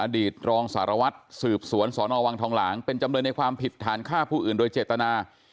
ตรองสารวัตรสืบสวนสนวังทองหลางเป็นจำเลยในความผิดฐานฆ่าผู้อื่นโดยเจตนา